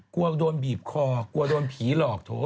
กลัวโดนบีบคอกลัวโดนผีหลอกโถ